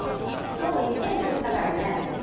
そういっぱい作ったからね。